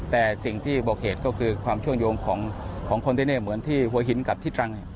แต่สิ่งที่บอกเหตุก็คือความเชื่อมโยงของคนที่นี่เหมือนที่หัวหินกับที่ตรัง